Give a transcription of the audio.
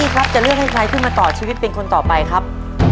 ครับจะเลือกให้ใครขึ้นมาต่อชีวิตเป็นคนต่อไปครับ